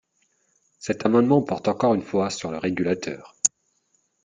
Cet amendement porte encore une fois sur le régulateur.